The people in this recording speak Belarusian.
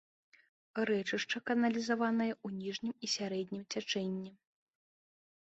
Рэчышча каналізаванае ў ніжнім і сярэднім цячэнні.